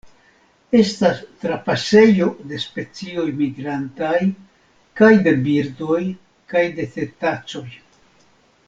Estas trapasejo de specioj migrantaj kaj de birdoj kaj de cetacoj.